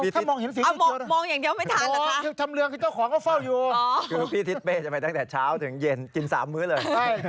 ดีดีดีดี